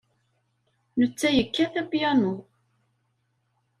Netta yekkat apyanu.